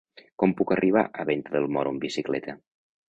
Com puc arribar a Venta del Moro amb bicicleta?